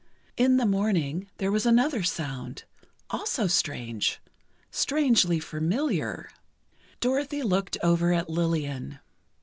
In the morning, there was another sound—also strange—strangely familiar. Dorothy looked over at Lillian.